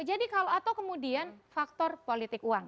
jadi kalau atau kemudian faktor politik uang